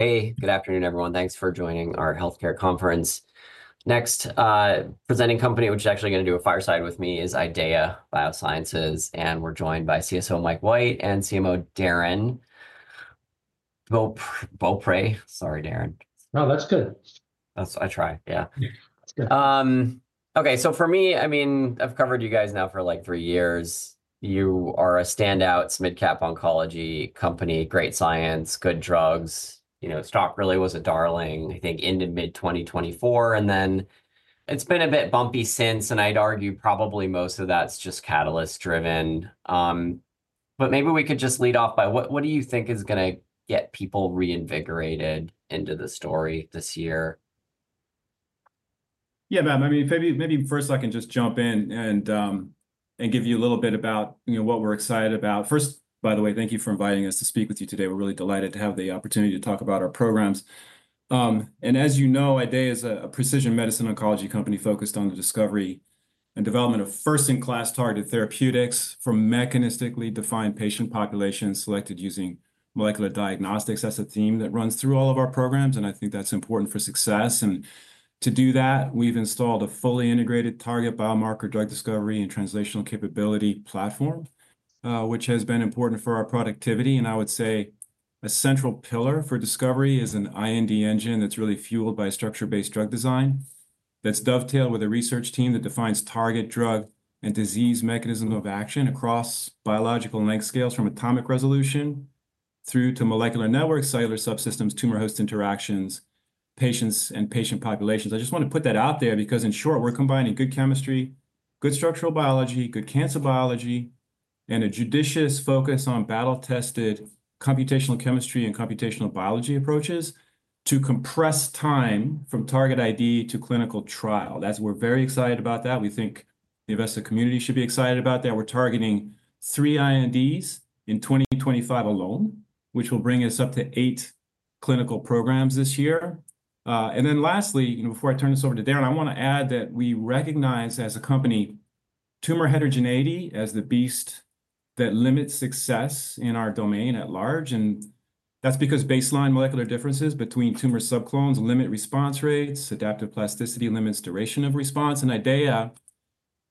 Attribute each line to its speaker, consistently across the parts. Speaker 1: Hey, good afternoon, everyone. Thanks for joining our healthcare conference. Next presenting company, which is actually going to do a fireside with me, is IDEAYA Biosciences, and we're joined by CSO Mike White and CMO Darrin Beaupre. Sorry, Darrin.
Speaker 2: No, that's good. I try, yeah. Okay, so for me, I mean, I've covered you guys now for like three years. You are a standout mid-cap oncology company, great science, good drugs. You know, stock really was a darling, I think, into mid-2024, and then it's been a bit bumpy since, and I'd argue probably most of that's just catalyst-driven. But maybe we could just lead off by what do you think is going to get people reinvigorated into the story this year?
Speaker 3: Yeah, ma'am. I mean, maybe first I can just jump in and give you a little bit about what we're excited about. First, by the way, thank you for inviting us to speak with you today. We're really delighted to have the opportunity to talk about our programs. And as you know, IDEAYA is a precision medicine oncology company focused on the discovery and development of first-in-class targeted therapeutics for mechanistically defined patient populations selected using molecular diagnostics. That's a theme that runs through all of our programs, and I think that's important for success. And to do that, we've installed a fully integrated target biomarker drug discovery and translational capability platform, which has been important for our productivity. I would say a central pillar for discovery is an IND engine that's really fueled by structure-based drug design that's dovetailed with a research team that defines target drug and disease mechanism of action across biological length scales from atomic resolution through to molecular networks, cellular subsystems, tumor host interactions, patients, and patient populations. I just want to put that out there because, in short, we're combining good chemistry, good structural biology, good cancer biology, and a judicious focus on battle-tested computational chemistry and computational biology approaches to compress time from target ID to clinical trial. We're very excited about that. We think the investor community should be excited about that. We're targeting three INDs in 2025 alone, which will bring us up to eight clinical programs this year. And then lastly, before I turn this over to Darrin, I want to add that we recognize as a company tumor heterogeneity as the beast that limits success in our domain at large. And that's because baseline molecular differences between tumor subclones limit response rates, adaptive plasticity limits duration of response. And IDEAYA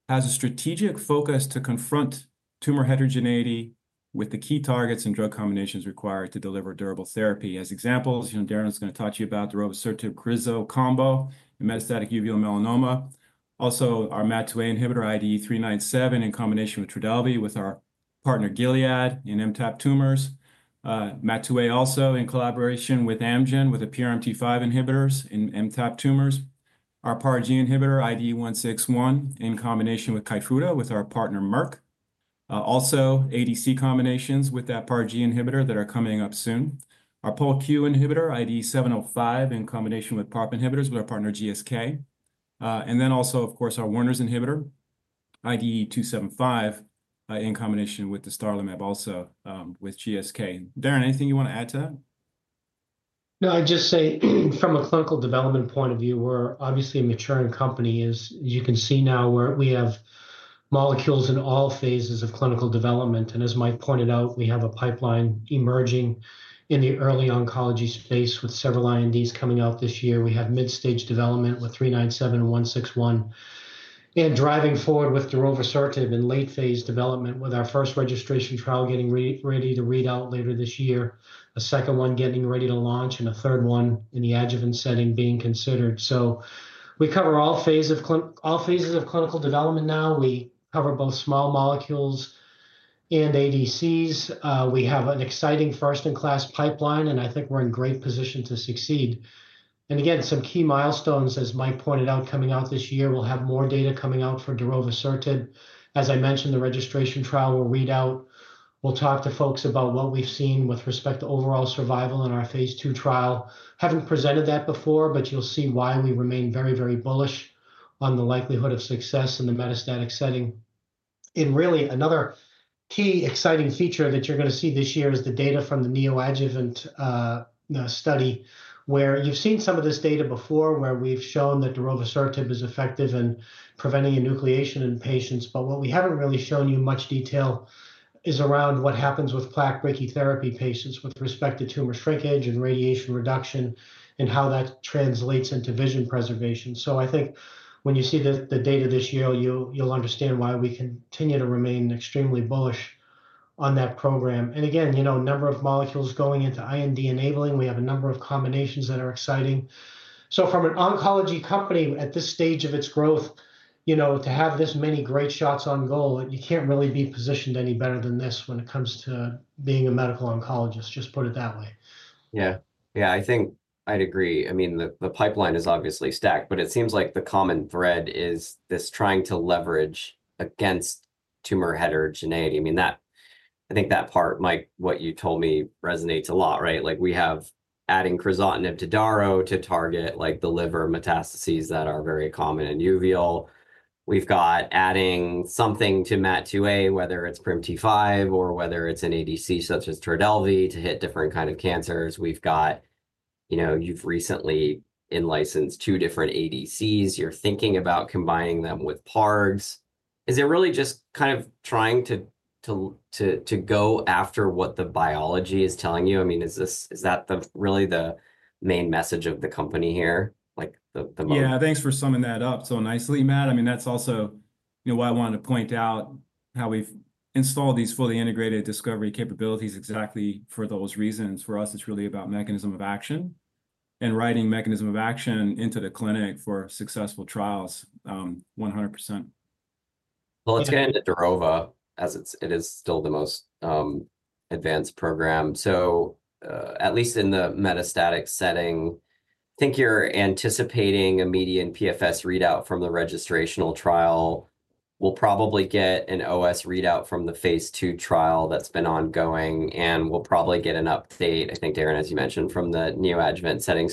Speaker 3: has a strategic focus to confront tumor heterogeneity with the key targets and drug combinations required to deliver durable therapy. As examples, Darrin is going to talk to you about the darovasertib/crizotinib combo in metastatic uveal melanoma. Also, our MAT2A inhibitor IDE397 in combination with Trodelvy with our partner Gilead in MTAP tumors. MAT2A also in collaboration with Amgen with the PRMT5 inhibitors in MTAP tumors. Our PARG inhibitor IDE161 in combination with Keytruda with our partner Merck. Also, ADC combinations with that PARG inhibitor that are coming up soon. Our POLQ inhibitor IDE705 in combination with PARP inhibitors with our partner GSK. And then also, of course, our Werner inhibitor IDE275 in combination with the dostarlimab also with GSK. Darrin, anything you want to add to that?
Speaker 2: No, I'd just say from a clinical development point of view, we're obviously a maturing company. As you can see now, we have molecules in all phases of clinical development. And as Mike pointed out, we have a pipeline emerging in the early oncology space with several INDs coming out this year. We have mid-stage development with 397 and 161. And driving forward with the darovasertib in late-phase development with our first registration trial getting ready to read out later this year, a second one getting ready to launch, and a third one in the adjuvant setting being considered. So we cover all phases of clinical development now. We cover both small molecules and ADCs. We have an exciting first-in-class pipeline, and I think we're in great position to succeed. And again, some key milestones, as Mike pointed out, coming out this year. We'll have more data coming out for the darovasertib. As I mentioned, the registration trial will read out. We'll talk to folks about what we've seen with respect to overall survival in our phase 2 trial. Haven't presented that before, but you'll see why we remain very, very bullish on the likelihood of success in the metastatic setting. Really, another key exciting feature that you're going to see this year is the data from the neoadjuvant study where you've seen some of this data before where we've shown that the darovasertib is effective in preventing enucleation in patients. But what we haven't really shown you much detail is around what happens with plaque brachytherapy patients with respect to tumor shrinkage and radiation reduction and how that translates into vision preservation. So I think when you see the data this year, you'll understand why we continue to remain extremely bullish on that program. And again, you know, a number of molecules going into IND enabling. We have a number of combinations that are exciting. So from an oncology company at this stage of its growth, you know, to have this many great shots on goal, you can't really be positioned any better than this when it comes to being a medical oncologist, just put it that way. Yeah, yeah, I think I'd agree. I mean, the pipeline is obviously stacked, but it seems like the common thread is this trying to leverage against tumor heterogeneity. I mean, I think that part, Mike, what you told me resonates a lot, right? Like we have adding crizotinib to daro to target like the liver metastases that are very common in uveal. We've got adding something to MAT2A, whether it's PRMT5 or whether it's an ADC such as Trodelvy to hit different kinds of cancers. We've got, you know, you've recently in-licensed two different ADCs. You're thinking about combining them with PARGs. Is it really just kind of trying to go after what the biology is telling you? I mean, is that really the main message of the company here? Like the.
Speaker 3: Yeah, thanks for summing that up so nicely, Matt. I mean, that's also why I wanted to point out how we've installed these fully integrated discovery capabilities exactly for those reasons. For us, it's really about mechanism of action and writing mechanism of action into the clinic for successful trials, 100%. Let's get into Darrova, as it is still the most advanced program. At least in the metastatic setting, I think you're anticipating a median PFS readout from the registrational trial. We'll probably get an OS readout from the phase 2 trial that's been ongoing, and we'll probably get an update, I think, Darrin, as you mentioned, from the neoadjuvant setting.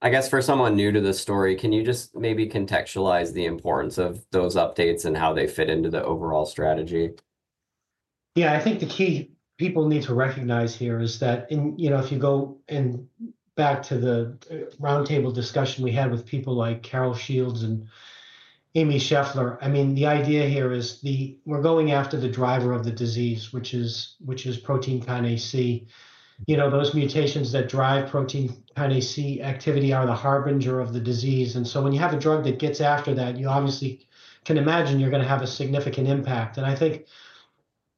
Speaker 3: I guess for someone new to the story, can you just maybe contextualize the importance of those updates and how they fit into the overall strategy?
Speaker 2: Yeah, I think the key people need to recognize here is that, you know, if you go back to the roundtable discussion we had with people like Carol Shields and Amy Scheffler, I mean, the idea here is we're going after the driver of the disease, which is protein kinase C. You know, those mutations that drive protein kinase C activity are the harbinger of the disease. And so when you have a drug that gets after that, you obviously can imagine you're going to have a significant impact. And I think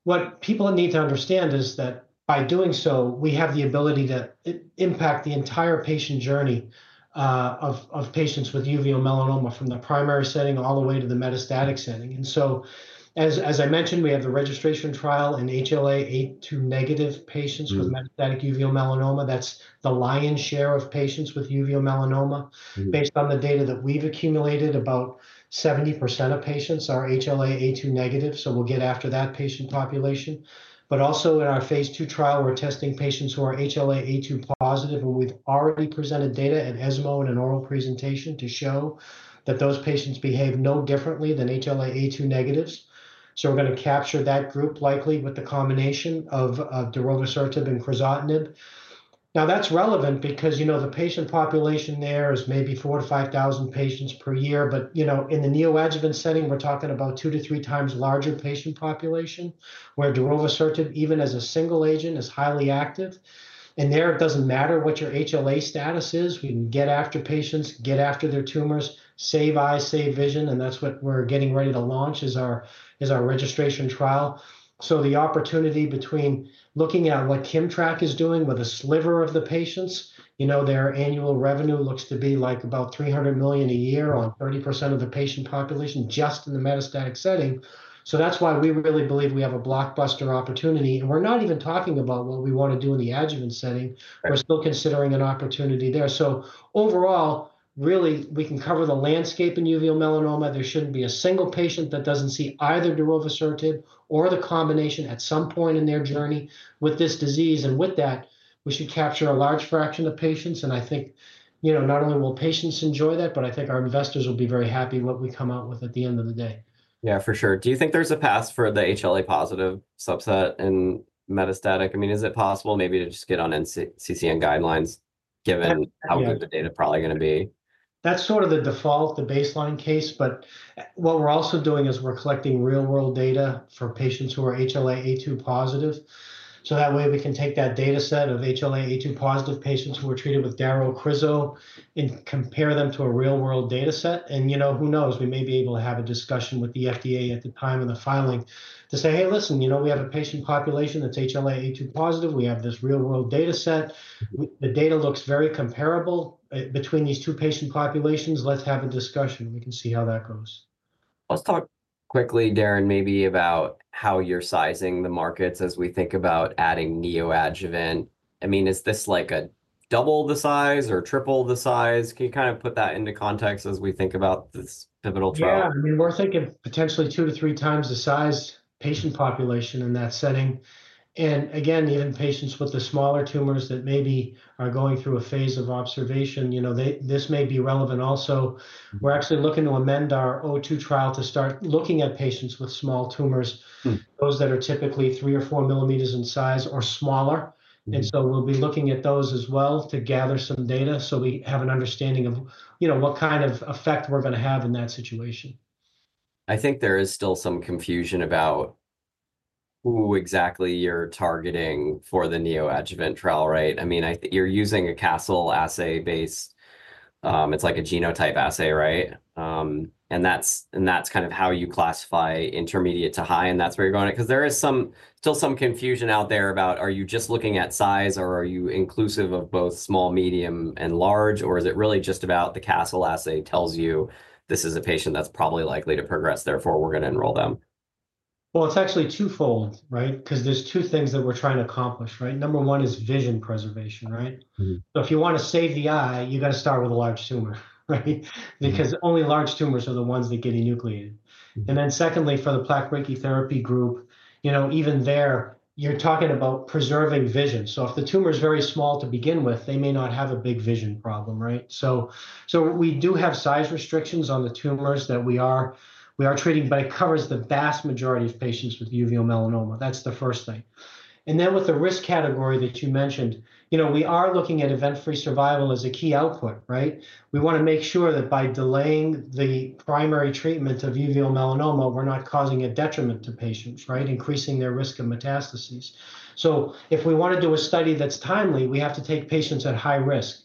Speaker 2: what people need to understand is that by doing so, we have the ability to impact the entire patient journey of patients with uveal melanoma from the primary setting all the way to the metastatic setting. And so, as I mentioned, we have the registration trial in HLA-A2 negative patients with metastatic uveal melanoma. That's the lion's share of patients with uveal melanoma. Based on the data that we've accumulated, about 70% of patients are HLA-A2 negative, so we'll get after that patient population, but also in our phase two trial, we're testing patients who are HLA-A2 positive, and we've already presented data at ESMO in an oral presentation to show that those patients behave no differently than HLA-A2 negatives, so we're going to capture that group likely with the combination of darovasertib and crizotinib. Now, that's relevant because, you know, the patient population there is maybe 4,000-5,000 patients per year, but, you know, in the neoadjuvant setting, we're talking about two to three times larger patient population where darovasertib, even as a single agent, is highly active, and there it doesn't matter what your HLA status is. We can get after patients, get after their tumors, save eyes, save vision. That's what we're getting ready to launch is our registration trial. So the opportunity between looking at what Kimmtrak is doing with a sliver of the patients, you know, their annual revenue looks to be like about $300 million a year on 30% of the patient population just in the metastatic setting. So that's why we really believe we have a blockbuster opportunity. We're not even talking about what we want to do in the adjuvant setting. We're still considering an opportunity there. So overall, really, we can cover the landscape in uveal melanoma. There shouldn't be a single patient that doesn't see either darovasertib or the combination at some point in their journey with this disease. And with that, we should capture a large fraction of patients. I think, you know, not only will patients enjoy that, but I think our investors will be very happy what we come out with at the end of the day. Yeah, for sure. Do you think there's a path for the HLA positive subset in metastatic? I mean, is it possible maybe to just get on NCCN guidelines given how good the data is probably going to be? That's sort of the default, the baseline case. But what we're also doing is we're collecting real-world data for patients who are HLA-A2 positive. So that way we can take that data set of HLA-A2 positive patients who are treated with daro-crizotinib and compare them to a real-world data set. And, you know, who knows, we may be able to have a discussion with the FDA at the time of the filing to say, "Hey, listen, you know, we have a patient population that's HLA-A2 positive. We have this real-world data set. The data looks very comparable between these two patient populations. Let's have a discussion. We can see how that goes. I'll start quickly, Darrin, maybe about how you're sizing the markets as we think about adding neoadjuvant. I mean, is this like a double the size or triple the size? Can you kind of put that into context as we think about this pivotal trial? Yeah, I mean, we're thinking potentially two to three times the size patient population in that setting. And again, even patients with the smaller tumors that maybe are going through a phase of observation, you know, this may be relevant also. We're actually looking to amend our phase 2 trial to start looking at patients with small tumors, those that are typically three or four millimeters in size or smaller. And so we'll be looking at those as well to gather some data so we have an understanding of, you know, what kind of effect we're going to have in that situation. I think there is still some confusion about who exactly you're targeting for the neoadjuvant trial, right? I mean, you're using a Castle assay base. It's like a genotype assay, right? And that's kind of how you classify intermediate to high, and that's where you're going at. Because there is still some confusion out there about, are you just looking at size or are you inclusive of both small, medium, and large? Or is it really just about the Castle assay tells you this is a patient that's probably likely to progress, therefore we're going to enroll them? It's actually twofold, right? Because there's two things that we're trying to accomplish, right? Number one is vision preservation, right? So if you want to save the eye, you got to start with a large tumor, right? Because only large tumors are the ones that get enucleated. Then secondly, for the plaque brachytherapy group, you know, even there, you're talking about preserving vision. So if the tumor is very small to begin with, they may not have a big vision problem, right? So we do have size restrictions on the tumors that we are treating, but it covers the vast majority of patients with uveal melanoma. That's the first thing. Then with the risk category that you mentioned, you know, we are looking at event-free survival as a key output, right? We want to make sure that by delaying the primary treatment of uveal melanoma, we're not causing a detriment to patients, right? Increasing their risk of metastases. So if we want to do a study that's timely, we have to take patients at high risk.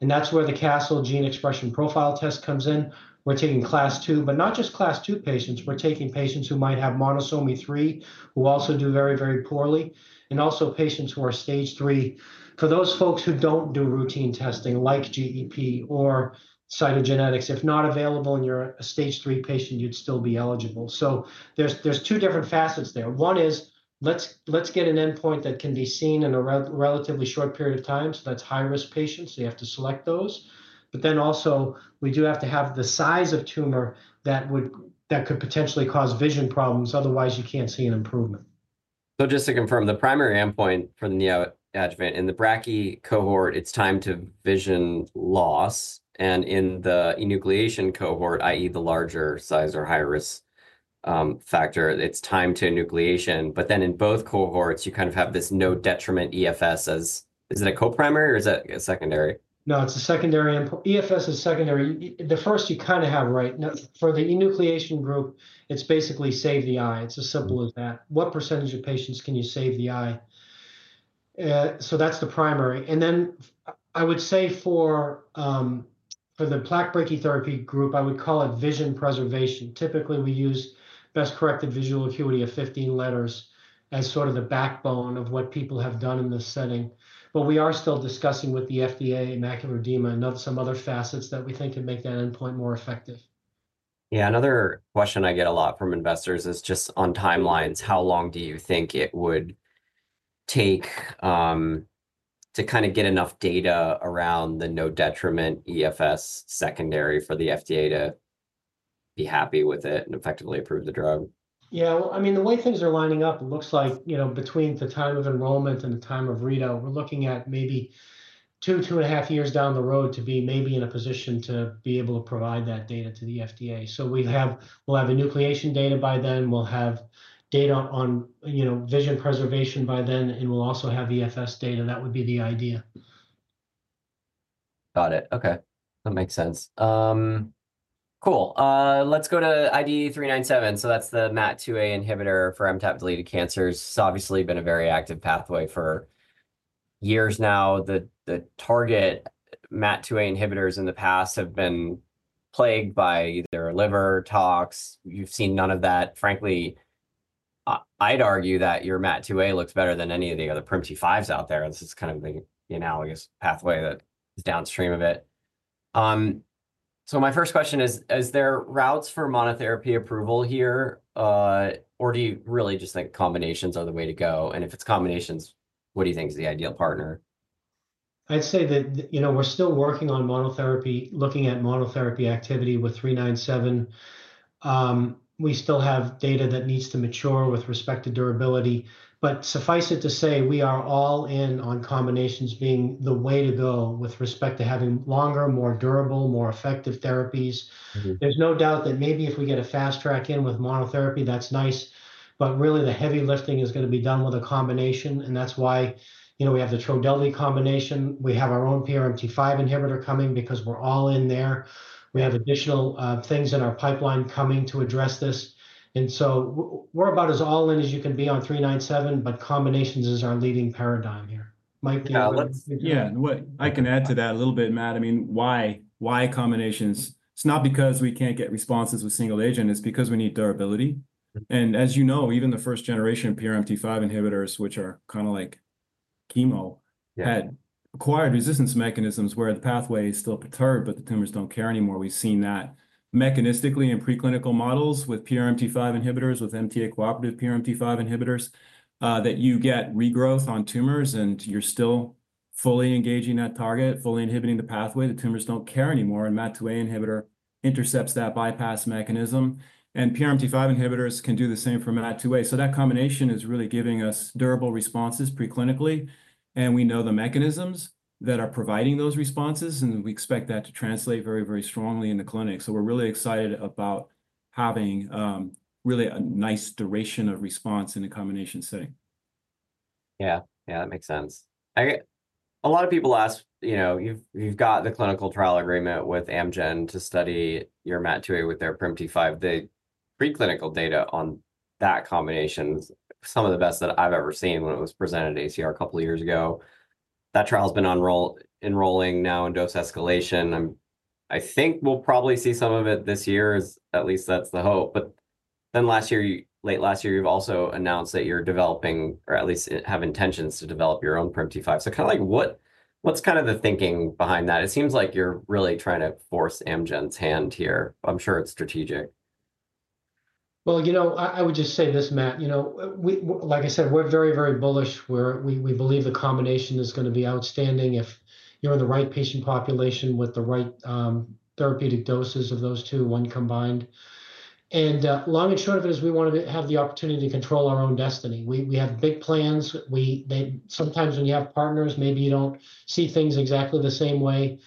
Speaker 2: And that's where the Castle gene expression profile test comes in. We're taking class two, but not just class two patients. We're taking patients who might have monosomy 3, who also do very, very poorly, and also patients who are stage 3. For those folks who don't do routine testing like GEP or cytogenetics, if not available and you're a stage 3 patient, you'd still be eligible. So there's two different facets there. One is let's get an endpoint that can be seen in a relatively short period of time. So that's high-risk patients. So you have to select those. But then also we do have to have the size of tumor that could potentially cause vision problems. Otherwise, you can't see an improvement. So just to confirm, the primary endpoint for the neoadjuvant in the brachy cohort, it's time to vision loss. And in the enucleation cohort, i.e., the larger size or higher risk factor, it's time to enucleation. But then in both cohorts, you kind of have this no detriment EFS as, is it a co-primary or is it a secondary? No, it's a secondary. EFS is secondary. The first you kind of have, right? For the enucleation group, it's basically save the eye. It's as simple as that. What percentage of patients can you save the eye? So that's the primary. And then I would say for the plaque brachytherapy group, I would call it vision preservation. Typically, we use best corrected visual acuity of 15 letters as sort of the backbone of what people have done in this setting. But we are still discussing with the FDA macular edema and some other facets that we think can make that endpoint more effective. Yeah, another question I get a lot from investors is just on timelines. How long do you think it would take to kind of get enough data around the no detriment EFS secondary for the FDA to be happy with it and effectively approve the drug? Yeah, well, I mean, the way things are lining up, it looks like, you know, between the time of enrollment and the time of RIDA, we're looking at maybe two, two and a half years down the road to be maybe in a position to be able to provide that data to the FDA. So we'll have enucleation data by then. We'll have data on, you know, vision preservation by then, and we'll also have EFS data. That would be the idea. Got it. Okay. That makes sense. Cool. Let's go to IDE397. So that's the MAT2A inhibitor for MTAP-deleted cancers. It's obviously been a very active pathway for years now. The target MAT2A inhibitors in the past have been plagued by either liver tox. You've seen none of that. Frankly, I'd argue that your MAT2A looks better than any of the other PRMT5s out there. This is kind of the analogous pathway that is downstream of it. So my first question is, is there routes for monotherapy approval here, or do you really just think combinations are the way to go? And if it's combinations, what do you think is the ideal partner? I'd say that, you know, we're still working on monotherapy, looking at monotherapy activity with 397. We still have data that needs to mature with respect to durability. But suffice it to say, we are all in on combinations being the way to go with respect to having longer, more durable, more effective therapies. There's no doubt that maybe if we get a fast track in with monotherapy, that's nice. But really, the heavy lifting is going to be done with a combination. And that's why, you know, we have the Trodelvy combination. We have our own PRMT5 inhibitor coming because we're all in there. We have additional things in our pipeline coming to address this. And so we're about as all in as you can be on 397, but combinations is our leading paradigm here.
Speaker 3: Yeah, I can add to that a little bit, Matt. I mean, why combinations? It's not because we can't get responses with single agent. It's because we need durability. And as you know, even the first generation PRMT5 inhibitors, which are kind of like chemo, had acquired resistance mechanisms where the pathway is still perturbed, but the tumors don't care anymore. We've seen that mechanistically in preclinical models with PRMT5 inhibitors, with MTAP cooperative PRMT5 inhibitors, that you get regrowth on tumors and you're still fully engaging that target, fully inhibiting the pathway. The tumors don't care anymore. And MAT2A inhibitor intercepts that bypass mechanism. And PRMT5 inhibitors can do the same for MAT2A. So that combination is really giving us durable responses preclinically. And we know the mechanisms that are providing those responses, and we expect that to translate very, very strongly in the clinic. So we're really excited about having really a nice duration of response in a combination setting. Yeah, yeah, that makes sense. A lot of people ask, you know, you've got the clinical trial agreement with Amgen to study your MAT2A with their PRMT5. The preclinical data on that combination is some of the best that I've ever seen when it was presented at ACR a couple of years ago. That trial has been enrolling now in dose escalation. I think we'll probably see some of it this year, at least that's the hope. But then last year, late last year, you've also announced that you're developing, or at least have intentions to develop your own PRMT5. So kind of like what's kind of the thinking behind that? It seems like you're really trying to force Amgen's hand here. I'm sure it's strategic.
Speaker 2: you know, I would just say this, Matt, you know, like I said, we're very, very bullish. We believe the combination is going to be outstanding if you're in the right patient population with the right therapeutic doses of those two, one combined. long and short of it is we want to have the opportunity to control our own destiny. We have big plans. Sometimes when you have partners, maybe you don't see things exactly the same way.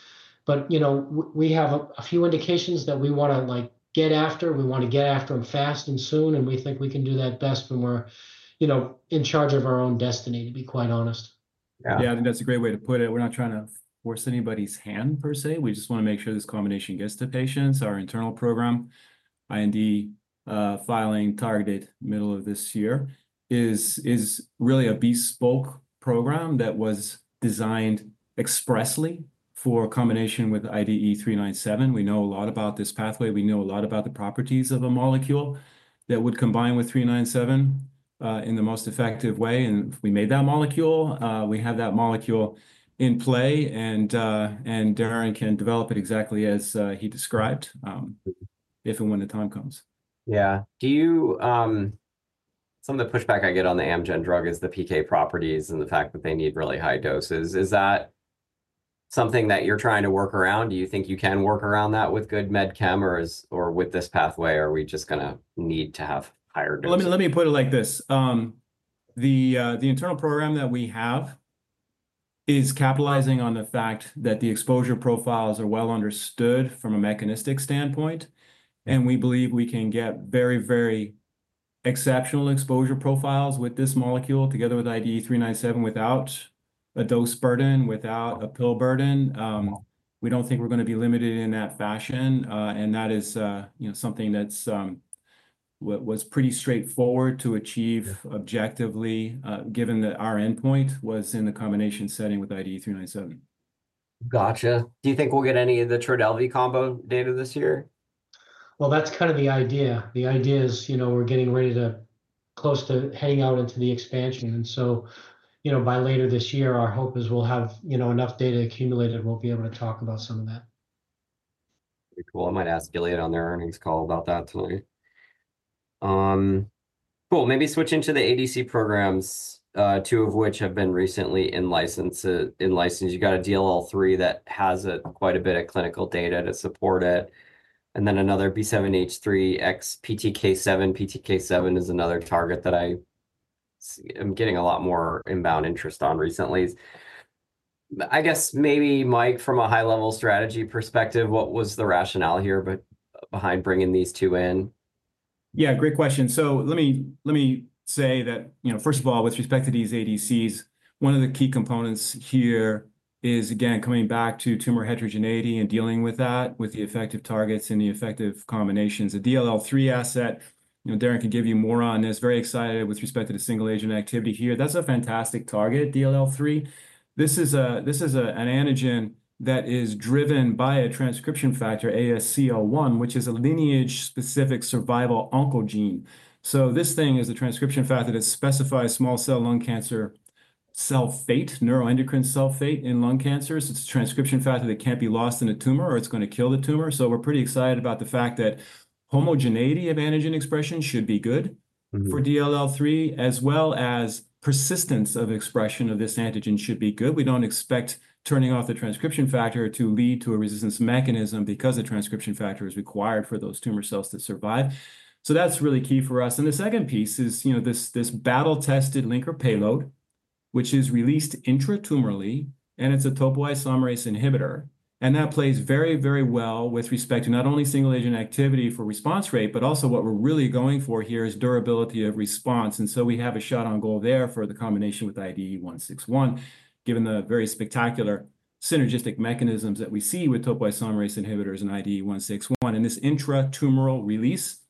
Speaker 2: you know, we have a few indications that we want to get after. We want to get after them fast and soon. we think we can do that best when we're, you know, in charge of our own destiny, to be quite honest.
Speaker 3: Yeah, I think that's a great way to put it. We're not trying to force anybody's hand per se. We just want to make sure this combination gets to patients. Our internal program, IND filing targeted middle of this year, is really a bespoke program that was designed expressly for combination with IDE397. We know a lot about this pathway. We know a lot about the properties of a molecule that would combine with 397 in the most effective way. And if we made that molecule, we have that molecule in play, and Darrin can develop it exactly as he described if and when the time comes. Yeah. Some of the pushback I get on the Amgen drug is the PK properties and the fact that they need really high doses. Is that something that you're trying to work around? Do you think you can work around that with good med chem or with this pathway, or are we just going to need to have higher doses? Let me put it like this. The internal program that we have is capitalizing on the fact that the exposure profiles are well understood from a mechanistic standpoint. And we believe we can get very, very exceptional exposure profiles with this molecule together with IDE397 without a dose burden, without a pill burden. We don't think we're going to be limited in that fashion. And that is something that was pretty straightforward to achieve objectively, given that our endpoint was in the combination setting with IDE397. Gotcha. Do you think we'll get any of the Trodelvy combo data this year?
Speaker 2: That's kind of the idea. The idea is, you know, we're getting ready to close to heading out into the expansion. You know, by later this year, our hope is we'll have, you know, enough data accumulated, we'll be able to talk about some of that. Cool. I might ask Gilead on their earnings call about that tonight. Cool. Maybe switching to the ADC programs, two of which have been recently in-licensed. You've got a DLL3 that has quite a bit of clinical data to support it. And then another B7-H3 x PTK7. PTK7 is another target that I'm getting a lot more inbound interest on recently. I guess maybe, Mike, from a high-level strategy perspective, what was the rationale here behind bringing these two in?
Speaker 3: Yeah, great question. So let me say that, you know, first of all, with respect to these ADCs, one of the key components here is, again, coming back to tumor heterogeneity and dealing with that with the effective targets and the effective combinations. The DLL3 asset, you know, Darrin can give you more on this. Very excited with respect to the single agent activity here. That's a fantastic target, DLL3. This is an antigen that is driven by a transcription factor, ASCL1, which is a lineage-specific survival oncogene. So this thing is a transcription factor that specifies small cell lung cancer cell fate, neuroendocrine cell fate in lung cancers. It's a transcription factor that can't be lost in a tumor or it's going to kill the tumor. So we're pretty excited about the fact that homogeneity of antigen expression should be good for DLL3, as well as persistence of expression of this antigen should be good. We don't expect turning off the transcription factor to lead to a resistance mechanism because the transcription factor is required for those tumor cells to survive. So that's really key for us. And the second piece is, you know, this battle-tested linker payload, which is released intratumorally, and it's a topoisomerase inhibitor. And that plays very, very well with respect to not only single agent activity for response rate, but also what we're really going for here is durability of response. And so we have a shot on goal there for the combination with IDE161, given the very spectacular synergistic mechanisms that we see with topoisomerase inhibitors and IDE161. And this intratumoral release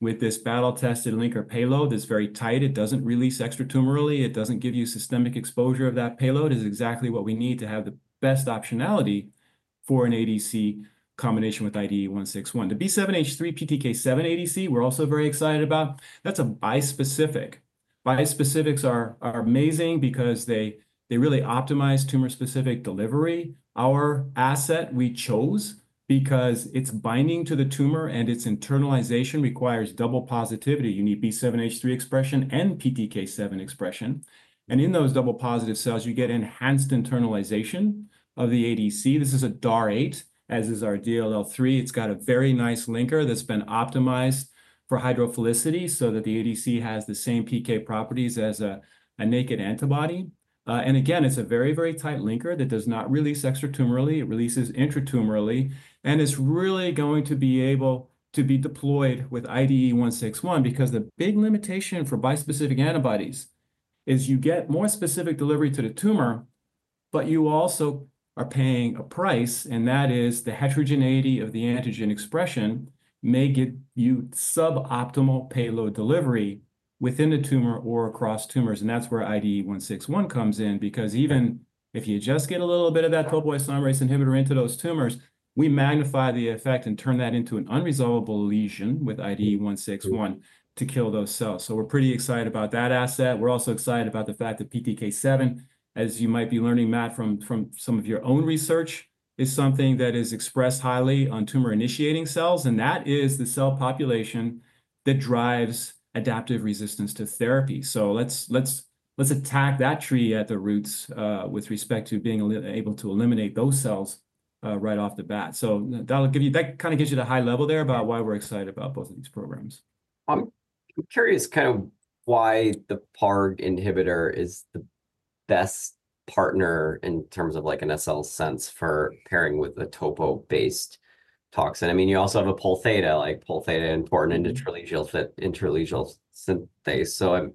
Speaker 3: with this battle-tested linker payload is very tight. It doesn't release extratumorally. It doesn't give you systemic exposure of that payload. It is exactly what we need to have the best optionality for an ADC combination with IDE161. The B7-H3 PTK7 ADC, we're also very excited about. That's a bispecific. Bispecifics are amazing because they really optimize tumor-specific delivery. Our asset, we chose because it's binding to the tumor and its internalization requires double positivity. You need B7-H3 expression and PTK7 expression. And in those double positive cells, you get enhanced internalization of the ADC. This is a DAR8, as is our DLL3. It's got a very nice linker that's been optimized for hydrophilicity so that the ADC has the same PK properties as a naked antibody. And again, it's a very, very tight linker that does not release extratumorally. It releases intratumorally. It's really going to be able to be deployed with IDE161 because the big limitation for bispecific antibodies is you get more specific delivery to the tumor, but you also are paying a price, and that is the heterogeneity of the antigen expression may give you suboptimal payload delivery within the tumor or across tumors. That's where IDE161 comes in because even if you just get a little bit of that topoisomerase inhibitor into those tumors, we magnify the effect and turn that into an unresolvable lesion with IDE161 to kill those cells. We're pretty excited about that asset. We're also excited about the fact that PTK7, as you might be learning, Matt, from some of your own research, is something that is expressed highly on tumor-initiating cells. That is the cell population that drives adaptive resistance to therapy. So let's attack that tree at the roots with respect to being able to eliminate those cells right off the bat. So that'll give you the high level there about why we're excited about both of these programs. I'm curious kind of why the PARG inhibitor is the best partner in terms of like an SL sense for pairing with the topo-based toxin. I mean, you also have a Pol Theta, like Pol Theta and important in translesion synthesis. So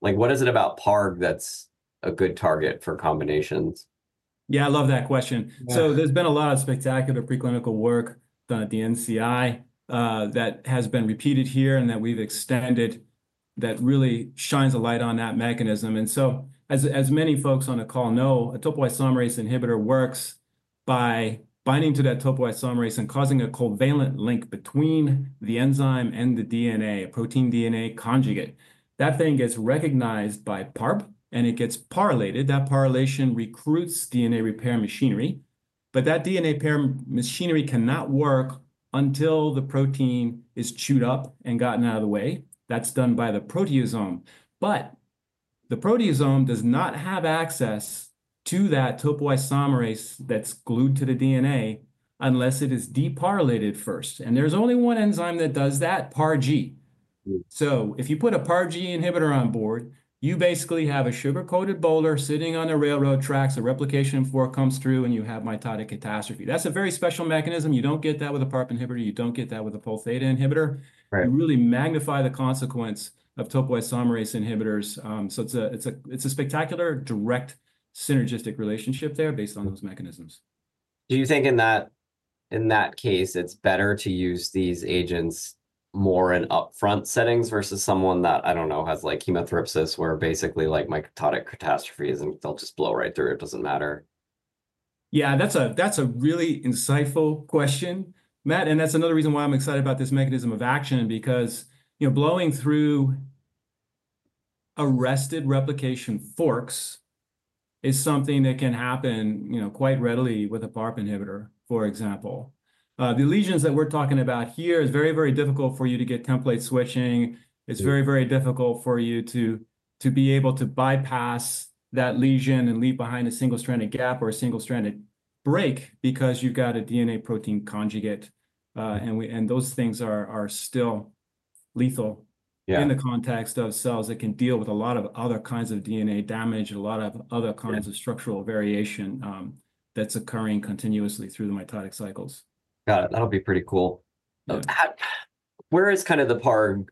Speaker 3: like what is it about PARG that's a good target for combinations? Yeah, I love that question, so there's been a lot of spectacular preclinical work done at the NCI that has been repeated here and that we've extended that really shines a light on that mechanism, and so as many folks on the call know, a topoisomerase inhibitor works by binding to that topoisomerase and causing a covalent link between the enzyme and the DNA, a protein-DNA conjugate. That thing gets recognized by PARP, and it gets PARylated. That PARylation recruits DNA repair machinery, but that DNA repair machinery cannot work until the protein is chewed up and gotten out of the way. That's done by the proteasome, but the proteasome does not have access to that topoisomerase that's glued to the DNA unless it is dePARylated first, and there's only one enzyme that does that, PARG. So if you put a PARG inhibitor on board, you basically have a sugar-coated boulder sitting on the railroad tracks, a replication fork comes through, and you have mitotic catastrophe. That's a very special mechanism. You don't get that with a PARP inhibitor. You don't get that with a Pol Theta inhibitor. You really magnify the consequence of topoisomerase inhibitors. So it's a spectacular direct synergistic relationship there based on those mechanisms. Do you think in that case, it's better to use these agents more in upfront settings versus someone that, I don't know, has like chemo resistance where basically like mitotic catastrophe is and they'll just blow right through it? It doesn't matter. Yeah, that's a really insightful question, Matt. And that's another reason why I'm excited about this mechanism of action because, you know, blowing through arrested replication forks is something that can happen, you know, quite readily with a PARP inhibitor, for example. The lesions that we're talking about here, it's very, very difficult for you to get template switching. It's very, very difficult for you to be able to bypass that lesion and leave behind a single-stranded gap or a single-stranded break because you've got a DNA protein conjugate. And those things are still lethal in the context of cells that can deal with a lot of other kinds of DNA damage and a lot of other kinds of structural variation that's occurring continuously through the mitotic cycles. Got it. That'll be pretty cool. Where is kind of the PARG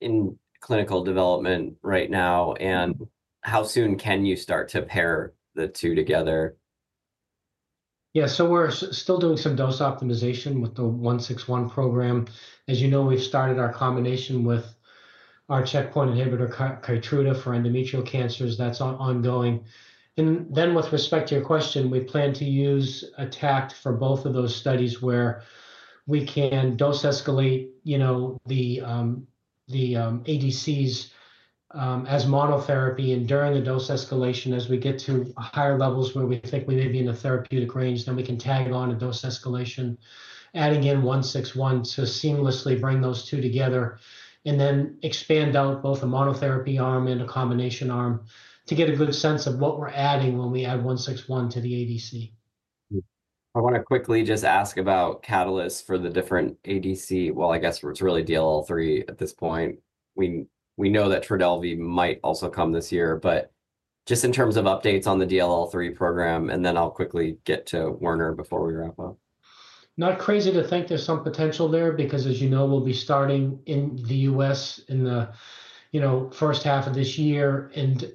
Speaker 3: in clinical development right now? And how soon can you start to pair the two together?
Speaker 2: Yeah, so we're still doing some dose optimization with the 161 program. As you know, we've started our combination with our checkpoint inhibitor, Keytruda for endometrial cancers. That's ongoing, and then with respect to your question, we plan to use a tactic for both of those studies where we can dose escalate, you know, the ADCs as monotherapy and during the dose escalation as we get to higher levels where we think we may be in a therapeutic range, then we can tag on a dose escalation, adding in 161 to seamlessly bring those two together and then expand out both a monotherapy arm and a combination arm to get a good sense of what we're adding when we add 161 to the ADC. I want to quickly just ask about catalysts for the different ADC. Well, I guess it's really DLL3 at this point. We know that Trodelvy might also come this year, but just in terms of updates on the DLL3 program, and then I'll quickly get to Werner before we wrap up. Not crazy to think there's some potential there because, as you know, we'll be starting in the U.S. in the, you know, first half of this year. And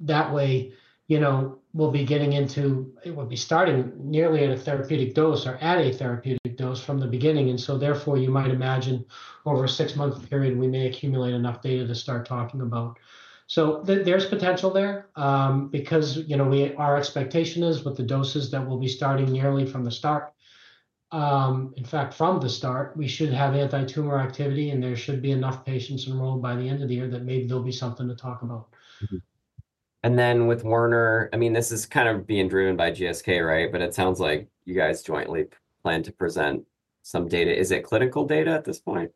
Speaker 2: that way, you know, we'll be getting into, we'll be starting nearly at a therapeutic dose or at a therapeutic dose from the beginning. And so therefore, you might imagine over a six-month period, we may accumulate enough data to start talking about. So there's potential there because, you know, our expectation is with the doses that we'll be starting nearly from the start, in fact, from the start, we should have anti-tumor activity, and there should be enough patients enrolled by the end of the year that maybe there'll be something to talk about. And then with Werner, I mean, this is kind of being driven by GSK, right? But it sounds like you guys jointly plan to present some data. Is it clinical data at this point?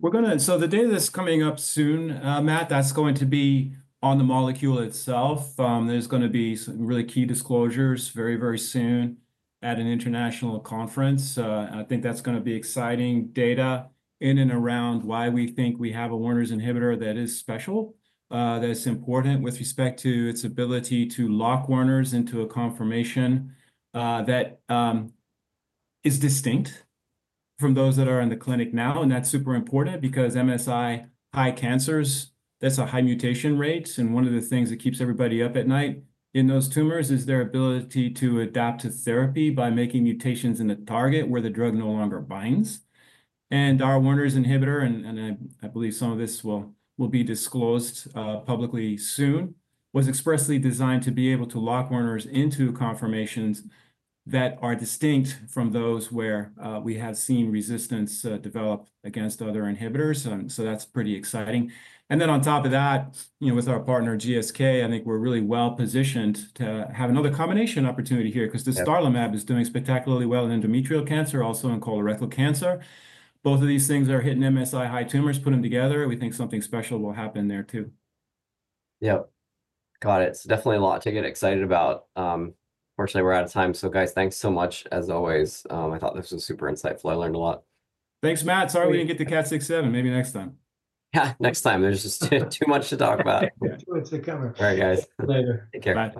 Speaker 3: We're going to, so the data that's coming up soon, Matt, that's going to be on the molecule itself. There's going to be some really key disclosures very, very soon at an international conference. I think that's going to be exciting data in and around why we think we have a Werner's inhibitor that is special, that's important with respect to its ability to lock Werner's into a conformation that is distinct from those that are in the clinic now. And that's super important because MSI-high cancers, that's a high mutation rate. And one of the things that keeps everybody up at night in those tumors is their ability to adapt to therapy by making mutations in the target where the drug no longer binds. And our Werner's inhibitor, and I believe some of this will be disclosed publicly soon, was expressly designed to be able to lock Werner's into conformations that are distinct from those where we have seen resistance develop against other inhibitors. So that's pretty exciting. And then on top of that, you know, with our partner GSK, I think we're really well positioned to have another combination opportunity here because the dostarlimab is doing spectacularly well in endometrial cancer, also in colorectal cancer. Both of these things are hitting MSI-high tumors, putting them together. We think something special will happen there too. Yeah. Got it. It's definitely a lot to get excited about. Fortunately, we're out of time. So guys, thanks so much as always. I thought this was super insightful. I learned a lot. Thanks, Matt. Sorry we didn't get to KAT6. Maybe next time. Yeah, next time. There's just too much to talk about.
Speaker 2: Too much to cover. All right, guys.
Speaker 3: Take care.